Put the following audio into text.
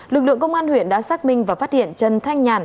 lực lượng công an huyện đã xác minh và phát hiện trần thanh nhàn